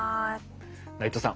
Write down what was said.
内藤さん